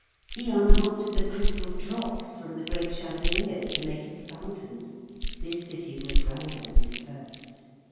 He unhooked the crystal drops from the great chandeliers to make his fountains. This city was grander than the first.